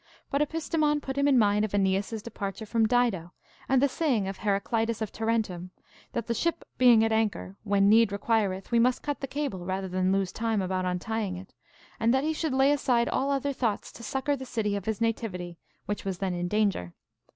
But Epistemon put him in mind of Aeneas's departure from Dido, and the saying of Heraclitus of Tarentum, That the ship being at anchor, when need requireth we must cut the cable rather than lose time about untying of it, and that he should lay aside all other thoughts to succour the city of his nativity, which was then in danger.